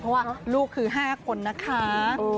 เพราะว่าลูกคือ๕คนนะคะ